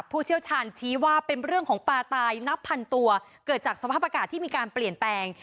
ผู้เชี่ยวชาญชี้ว่าเป็นเรื่องของปลาตายนับพันตัวเกิดจากสภาพอากาศที่มีการเปลี่ยนแปลง